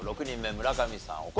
６人目村上さん